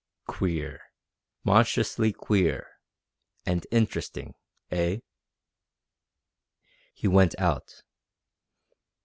Queer. Monstrously queer. And interesting. Eh?" He went out.